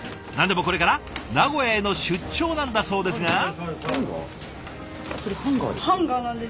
何でもこれから名古屋への出張なんだそうですが。